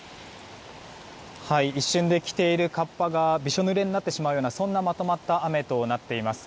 一瞬で着ているカッパがびしょ濡れになってしまうようなそんなまとまった雨となっています。